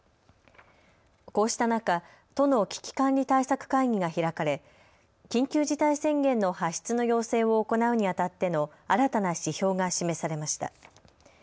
こうした中、都の危機管理対策会議が開かれ緊急事態宣言の発出の要請を行うにあたっての新たな指標が示されました。